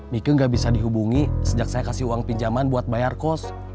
mika gak bisa dihubungi sejak saya kasih uang pinjaman buat bayar kos